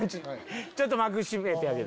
ちょっと幕閉めてあげて。